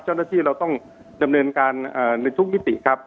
เจ้าหน้าที่เราต้องดำเนินการในทุกมิติครับ